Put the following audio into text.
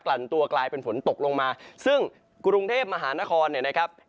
ลั่นตัวกลายเป็นฝนตกลงมาซึ่งกรุงเทพมหานครเนี่ยนะครับ